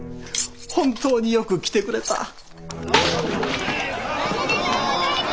本当によく来てくれた。